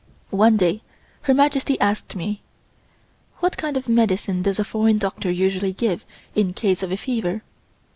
One day Her Majesty asked me: "What kind of medicine does a foreign doctor usually give in case of a fever?